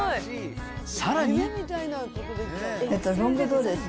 さらに。